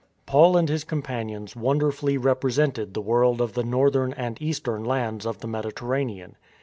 Paul and his companions wonderfully represented the world of the northern and eastern lands of the Mediterranean.